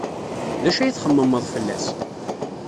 D acu ay txemmemeḍ fell-as?